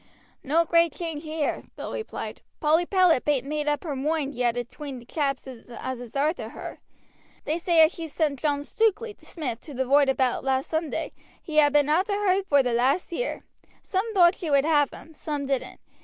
"No great change here," Bill replied. "Polly Powlett bain't made up her moind yet atween t' chaps as is arter her. They say as she sent John Stukeley, the smith, to the roight about last Sunday; he ha' been arter her vor the last year. Some thowt she would have him, some didn't.